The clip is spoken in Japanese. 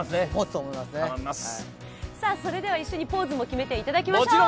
それでは一緒にポーズも決めていただきましょう。